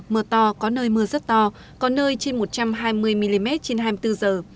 mưa to có nơi mưa rất to có nơi trên một trăm hai mươi mm trên hai mươi bốn giờ